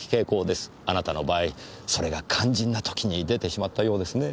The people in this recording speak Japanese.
あなたの場合それが肝心な時に出てしまったようですねぇ。